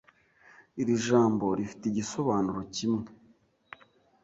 Iri jambo rifite igisobanuro kimwe